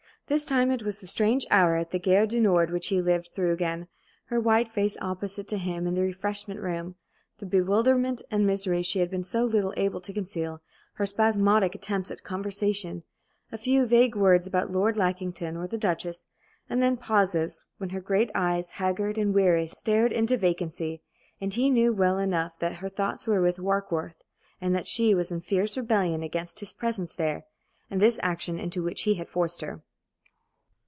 This time it was the strange hour at the Gare du Nord which he lived through again, her white face opposite to him in the refreshment room, the bewilderment and misery she had been so little able to conceal, her spasmodic attempts at conversation, a few vague words about Lord Lackington or the Duchess, and then pauses, when her great eyes, haggard and weary, stared into vacancy, and he knew well enough that her thoughts were with Warkworth, and that she was in fierce rebellion against his presence there, and this action into which he had forced her.